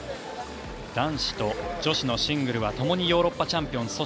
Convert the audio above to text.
男子と女子のシングルがともにヨーロッパチャンピオン。